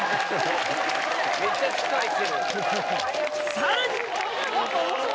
さらに！